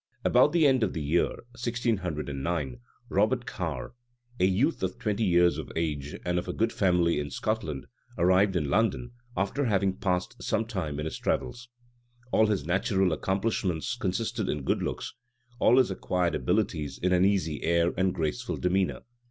About the end of the year 1609, Robert Carre, a youth of twenty years of age, and of a good family in Scotland, arrived in London, after having passed some time in his travels. All his natural accomplishments consisted in good looks: all his acquired abilities in an easy air and graceful demeanor.